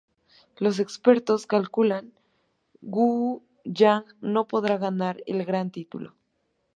Los expertos calculan Wu Yang no podrá ganar el gran título.